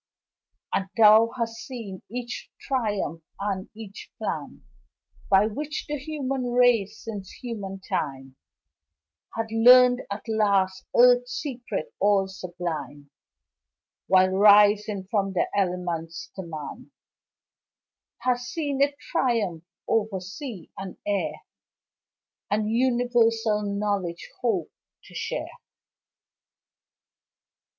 And thou hast seen each triumph and each plan By which the human race since human time Hath learned at last Earth's secrets all sublime While rising from the elements to man Hast seen it triumph over sea and air And universal knowledge hope to share.